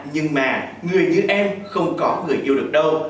nhưng mà người như em không có người yêu được đâu